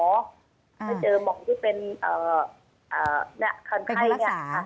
ไม่เจอหมอที่เป็นคนไข้